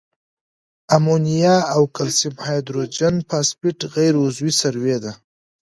امونیا او کلسیم هایدروجن فاسفیټ غیر عضوي سرې دي.